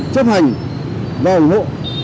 chấp hành và ủng hộ